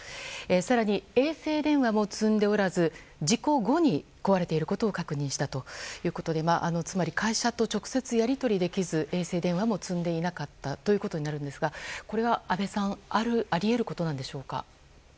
更に衛星電話も積んでおらず事故後に壊れていることを確認したということでつまり会社と直接やり取りできず衛星電話も積んでいなかったということになるんですがこれは安倍さんあり得ることでしょうか。